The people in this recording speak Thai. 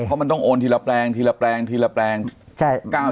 เพราะมันต้องโอนทีละแปลงทีละแปลงทีละแปลง